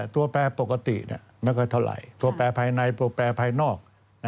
ตัวแปรปกติไม่ค่อยเท่าไหร่ตัวแปลภายในตัวแปรภายนอก